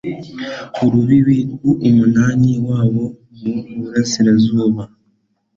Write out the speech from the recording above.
urubibi rw'umunani wabo mu burasirazuba